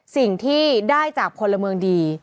สิ่งที่ได้จากพลเมืองดี